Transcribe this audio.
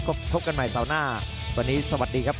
ก็พบกันใหม่เสาร์หน้าวันนี้สวัสดีครับ